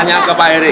tanya ke pak erik